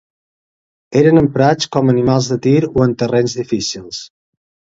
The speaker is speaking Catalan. Eren emprats com a animals de tir o en terrenys difícils.